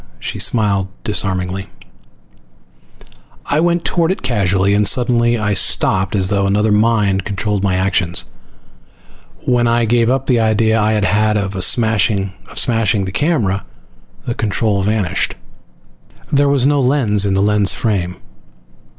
She smiled disarmingly. I went toward it casually, and suddenly I stopped as though another mind controlled my actions. When I gave up the idea I had had of smashing the camera, the control vanished. There was no lens in the lens frame.